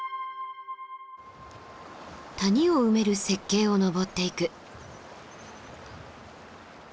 谷を埋める雪渓を登っていく。